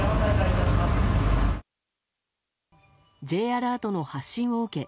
Ｊアラートの発信を受け